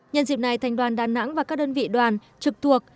nhân dịp này thành đoàn đà nẵng và các đơn vị đoàn trực thuộc